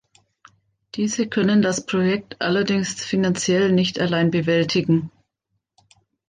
Diese können das Projekt allerdings finanziell nicht allein bewältigen.